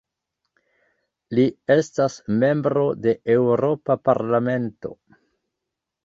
Li estas membro de Eŭropa parlamento.